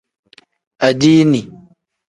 Adiini.